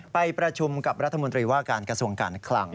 ไปประชุมกับรัฐมนตรีว่าการกระทรวงการคลัง